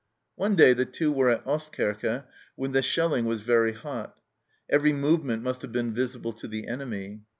One day the Two were at Oestkerke when the shelling was very hot. Every movement must have been visible to the enemy.